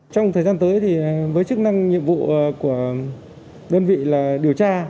trong thời gian tới thì với chức năng nhiệm vụ của đơn vị là điều tra